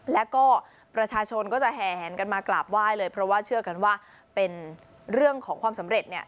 แล้วก็ประชาชนก็จะแหนกันมากราบไหว้เลยเพราะว่าเชื่อกันว่าเป็นเรื่องของความสำเร็จ